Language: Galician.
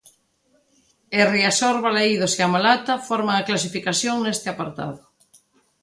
E Riazor, Balaídos e A Malata forman a clasificación neste apartado.